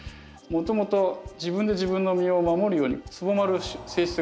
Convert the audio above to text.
もともと自分で自分の身を守るようにつぼまる性質があるんですよね。